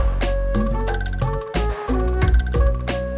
yang sesuai dengan kekejadian